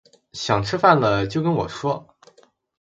想吃饭了就跟我说